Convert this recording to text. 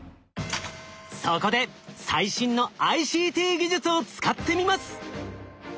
そこで最新のＩＣＴ技術を使ってみます。